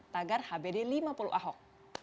tagar hbd lima puluh ahok